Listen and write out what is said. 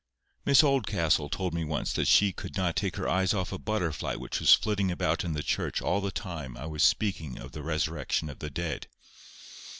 Miss Oldcastle told me once that she could not take her eyes off a butterfly which was flitting about in the church all the time I was speaking of the resurrection of the dead.